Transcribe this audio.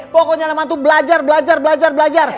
pokoknya leman tuh belajar belajar belajar belajar